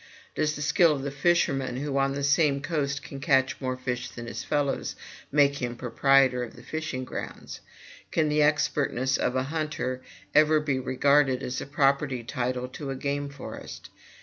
Does the skill of the fisherman, who on the same coast can catch more fish than his fellows, make him proprietor of the fishing grounds? Can the expertness of a hunter ever be regarded as a property title to a game forest?